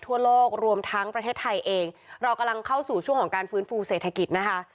ทั่วโลกรวมทั้งประเทศไทยเองเรากำลังเข้าสู่ช่วงของการฟื้นฟูเศรษฐกิจนะคะ